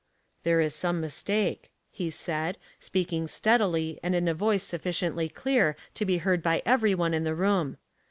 " There is some mistake," he said, speaking steadily and in a voice sufficiently clear to be heard by every one in the room.